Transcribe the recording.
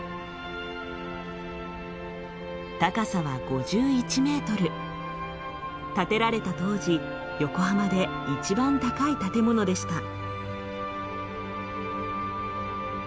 この愛称は建てられた当時横浜で一番高い建物でした。